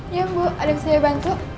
iya bu ada yang bisa dibantu